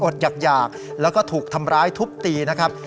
อยากแล้วก็ถูกทำร้ายทุบตีนะครับ